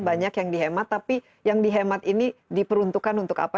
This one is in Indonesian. banyak yang dihemat tapi yang dihemat ini diperuntukkan untuk apa